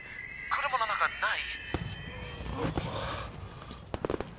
車の中ない？